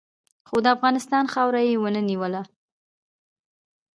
خو د افغانستان خاوره یې و نه نیوله.